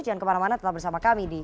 jangan kemana mana tetap bersama kami di